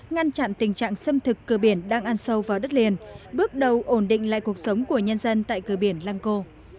ngăn chặn tình trạng xâm thực cờ biển đang ăn sâu vào đất liền bước đầu ổn định lại cuộc sống của nhân dân tại cửa biển lăng cô